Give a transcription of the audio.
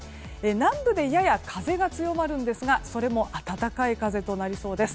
南部でやや風が強まるんですがそれも暖かい風となりそうです。